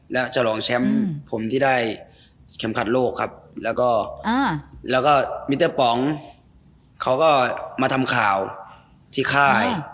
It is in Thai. แล้วจะลองแชมป์ผมที่ได้เข็มขัดโลกครับแล้วก็มิเตอร์ป๋องเขาก็มาทำข่าวที่ค่าย